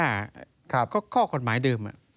ผมว่าก็ข้อกฎหมายเดิม